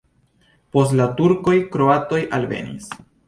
Post la turkoj kroatoj alvenis.